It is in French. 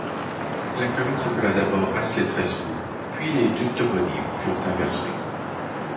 La commune s'appela d'abord Rassiels-Trespoux puis les deux toponymes furent inversés.